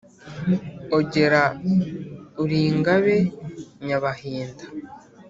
Ogera uri ingabe Nyabahinda!